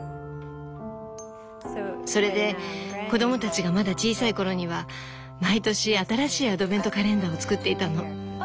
それで子供たちがまだ小さい頃には毎年新しいアドベントカレンダーを作っていたの。